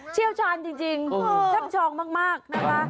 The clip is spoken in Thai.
เชี่ยวชาญจริงช่ำชองมากนะคะ